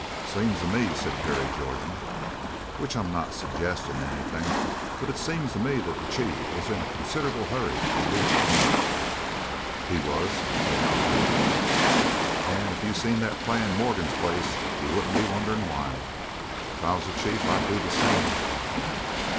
"It seems to me," said Terry Jordan, "which I'm not suggestin' anything but it seems to me that the chief was in a considerable hurry to leave the camp." "He was," said Hal Purvis, "an' if you seen that play in Morgan's place you wouldn't be wonderin' why. If I was the chief I'd do the same."